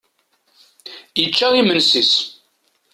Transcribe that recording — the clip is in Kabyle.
Yečča imensi-is.